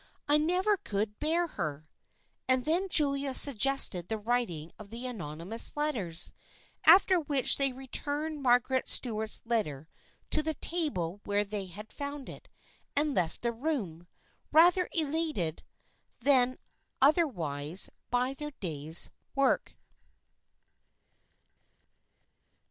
I never could bear her." And then Julia suggested the writing of the anonymous letters, after which they returned Mar garet Stuart's letter to the table where they had found it, and left the room, rather elated than oth erwise by their day's work.